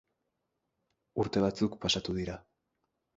Urte batzuk pasatu dira.